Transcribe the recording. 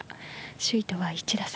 首位とは１打差。